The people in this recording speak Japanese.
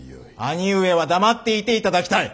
兄上は黙っていていただきたい。